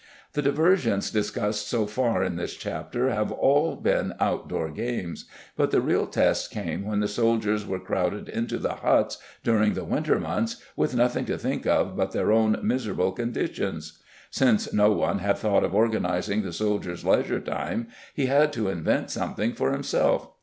The diversions discussed so far in this chapter have all been outdoor games, but the real test came when the soldiers were crowded into the huts during the winter months with nothing to think of but their own miserable conditions. Since no one had thought of organizing the soldier's leisure time he had to invent something for himself.